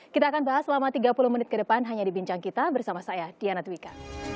kita akan bahas selama tiga puluh menit ke depan hanya di bincang kita bersama saya diana twika